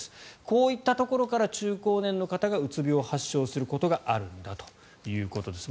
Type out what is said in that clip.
こういったところから中高年の方がうつ病を発症することがあるんだということです。